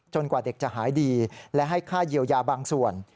กว่าเด็กจะหายดีและให้ค่าเยียวยาบางส่วน